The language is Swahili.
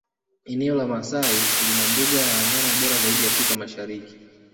Eneo la Maasai lina mbuga ya wanyama bora zaidi Afrika Mashariki